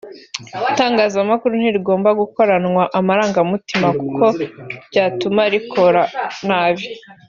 Itangazamakuru ntirigomba gukoranwa amarangamutima kuko byatuma rikora nabi